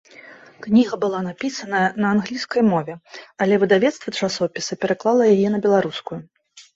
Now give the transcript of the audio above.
Кніга была напісаная на англійскай мове, але выдавецтва часопіса пераклала яе на беларускую.